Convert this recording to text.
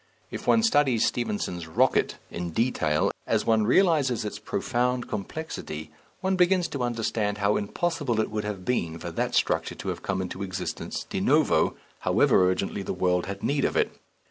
If one studies Stephenson's "Rocket" in detail, as one realizes its profound complexity, one begins to understand how impossible it would have been for that structure to have come into existence de novo, however urgently the world had need of it.